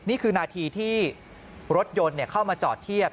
นี่คือนาทีที่รถยนต์เข้ามาจอดเทียบ